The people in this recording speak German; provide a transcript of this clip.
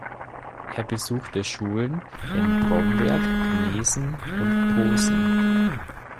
Er besuchte Schulen in Bromberg, Gnesen und Posen.